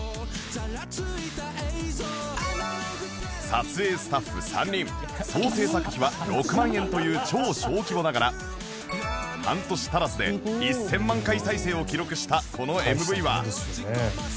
撮影スタッフ３人総制作費は６万円という超小規模ながら半年足らずで１０００万回再生を記録したこの ＭＶ は